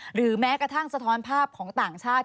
หรือแม้กระทั่งสะท้อนภาพของต่างชาติ